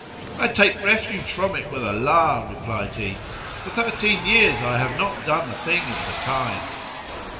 "I take refuge from it with Allah!" replied he; "for thirteen years I have not done a thing of the kind."